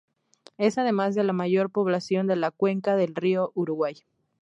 Es además la de mayor población de la cuenca del río Uruguay.